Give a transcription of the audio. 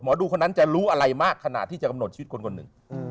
ดูคนนั้นจะรู้อะไรมากขนาดที่จะกำหนดชีวิตคนคนหนึ่ง